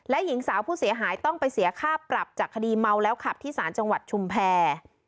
และหญิงสาวผู้เสียหายต้องไปเสียค่าปรับจากคดีเมาแล้วขับที่สารจังหวัดชุมแพร